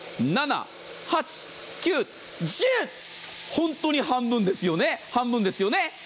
ホントに半分ですよね。